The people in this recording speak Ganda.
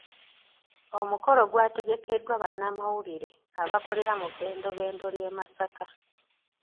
Omukolo gwategekeddwa bannamawulire abakolera mu bbendobendo ly'e Masaka.